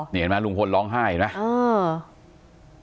นี่เห็นไหมลุงพลร้องไห้เห็นไหม